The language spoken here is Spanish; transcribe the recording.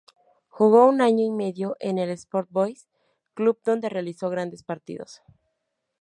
Jugó un año y medio en el Sport Boys, club donde realizó grandes partidos.